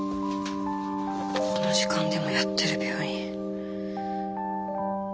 この時間でもやってる病院。